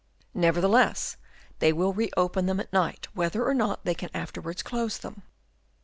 Nevertheless they will reopen them at night, whether or not they can afterwards close them.